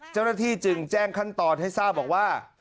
เจ้าหน้าที่จึงแจ้งขั้นตอนให้ทราบบอกว่า